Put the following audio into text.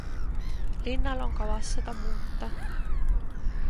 Linnal on kavas seda muuta.